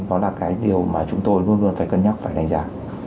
đó là cái điều mà chúng tôi luôn luôn phải cân nhắc phải đánh giá